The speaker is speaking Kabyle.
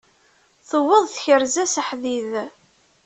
Tuweḍ tkerza s aḥdid.